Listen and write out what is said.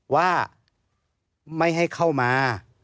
ว่าไม่ให้เข้ามา